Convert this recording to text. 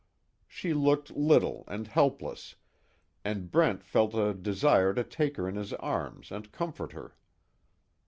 She looked little and helpless, and Brent felt a desire to take her in his arms and comfort her.